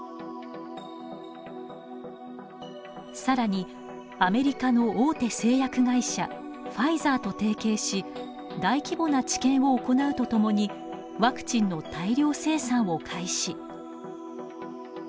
更にアメリカの大手製薬会社ファイザーと提携し大規模な治験を行うとともにワクチンの大量生産を開始。